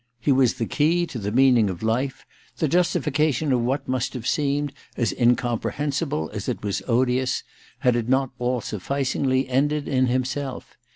He was the key to the meaning of life, the justification of what must have seemed as incomprehensible as it was odious, had it not all suffidngly ended in himself.